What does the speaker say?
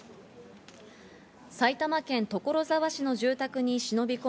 埼玉県所沢市の住宅に忍び込